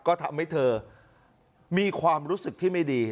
ก็ทำให้เธอมีความรู้สึกที่ไม่ดี